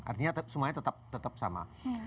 artinya semuanya tetap sama